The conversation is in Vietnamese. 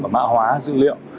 mã hóa dữ liệu